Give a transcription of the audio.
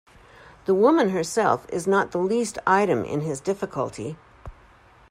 The woman herself is not the least item in his difficulty.